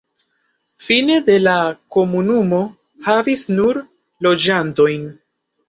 Fine de la komunumo havis nur loĝantojn.